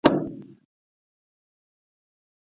خیر محمد د خپل عزت نښه وساتله.